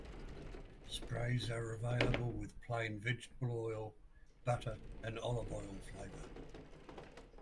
Sprays are available with plain vegetable oil, butter and olive oil flavor.